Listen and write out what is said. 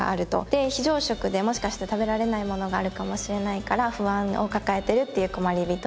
非常食でもしかしたら食べられないものがあるかもしれないから不安を抱えてるっていう困りびとです。